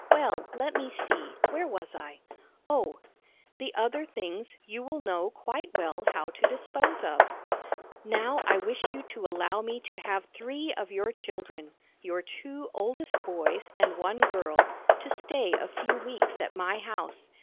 "Well, let me see, where was I? Oh, 'The other things you will know quite well how to dispose of. "'Now I wish you to allow me to have three of your children your two oldest boys and one girl to stay a few weeks at my house.